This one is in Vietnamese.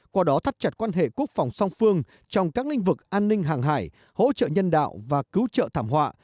qua đó thắt chặt quan hệ quốc phòng song phương trong các lĩnh vực an ninh hàng hải hỗ trợ nhân đạo và cứu trợ thảm họa